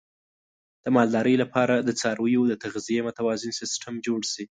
د مالدارۍ لپاره د څارویو د تغذیې متوازن سیستم جوړ شي.